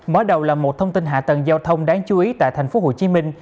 mở đầu là một thông tin hạ tầng giao thông đáng chú ý tại tp hcm